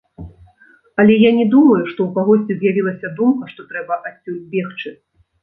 Але я не думаю, што ў кагосьці з'явілася думка, што трэба адсюль бегчы.